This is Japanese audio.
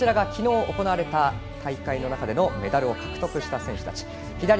昨日、行われた大会の中でのメダルを獲得した選手たちです。